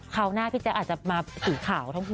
คราวหน้าพี่เจ๊อาจจะมาสีขาวทั้งหัว